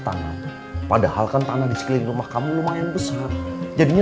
tanam padahal kan tanah di sekeliling rumah kamu lumayan besar jadinya